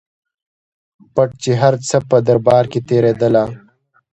پټ چي هر څه په دربار کي تېرېدله